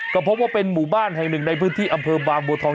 ก็พบว่าเป็นหมู่บ้านแห่งหนึ่งในพื้นที่อำเภอบางบัวทอง